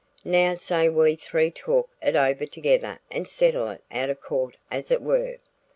Now say we three talk it over together and settle it out of court as it were.